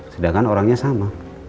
sedangkan orangnya sama